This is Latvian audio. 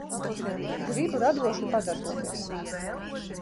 Gribu radoši padarboties.